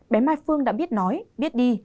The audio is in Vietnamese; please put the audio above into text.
bé mai phương đã biết nói biết đi